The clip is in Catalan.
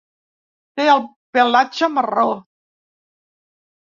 Té el pelatge marró.